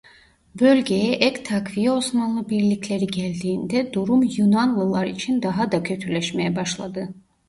Bölgeye ek takviye Osmanlı birlikleri geldiğinde durum Yunanlılar için daha da kötüleşmeye başladı.